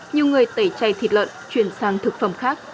nhiều người tẩy chay thịt lợn chuyển sang thực phẩm khác